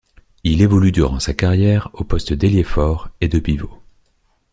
Il évolue durant sa carrière au poste d'ailier fort et de pivot.